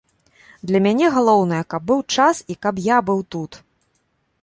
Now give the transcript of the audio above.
Для мяне галоўнае, каб быў час і каб я быў тут.